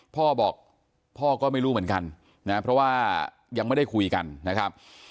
พ่อบอกพ่อก็ไม่รู้เหมือนกันนะเพราะว่ายังไม่ได้คุยกันนะครับ